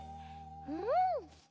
うん。